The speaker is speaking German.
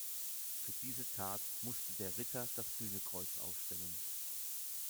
Für diese Tat musste der Ritter das Sühnekreuz aufstellen.